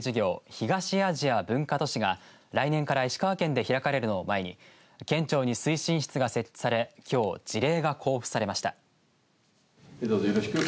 東アジア文化都市が来年から石川県で開かれるのを前に県庁に推進室が設置されきょう、辞令が交付されました。